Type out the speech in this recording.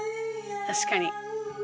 確かに。